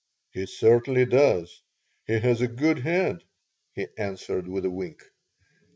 "He certainly does. He has a good head," he answered, with a wink.